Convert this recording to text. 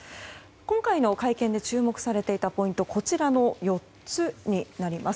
今回の会見で注目されていたポイントはこちらの４つになります。